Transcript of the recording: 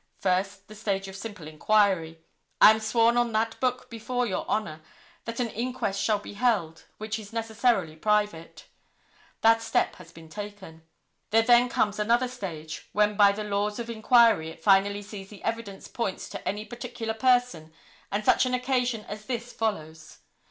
First, the stage of simple inquiry. I am sworn on that book before Your Honor that an inquest shall be held, which is necessarily private. That step has been taken. There then comes another stage, when by the laws of inquiry it finally sees the evidence points to any particular person and such an occasion as this follows.